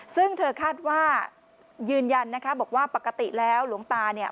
ซึ่งเธอคาดว่ายืนยันนะคะบอกว่าปกติแล้วหลวงตาเนี่ย